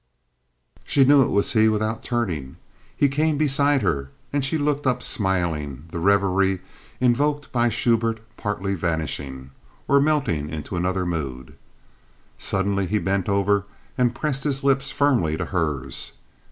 She knew it was he, without turning. He came beside her, and she looked up smiling, the reverie evoked by Schubert partly vanishing—or melting into another mood. Suddenly he bent over and pressed his lips firmly to hers.